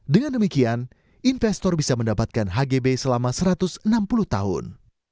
dengan demikian investor bisa mendapatkan hgb selama satu ratus enam puluh tahun